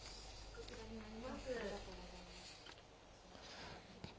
こちらになります。